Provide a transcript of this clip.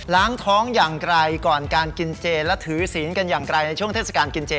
ล้างท้องอย่างไกลก่อนการกินเจและถือศีลกันอย่างไกลในช่วงเทศกาลกินเจ